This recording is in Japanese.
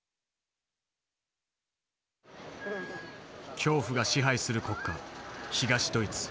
恐怖が支配する国家東ドイツ。